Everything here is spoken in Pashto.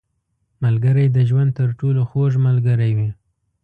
• ملګری د ژوند تر ټولو خوږ ملګری وي.